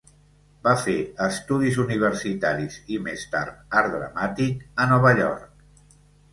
Va fer estudis universitaris i més tard art dramàtic a Nova York.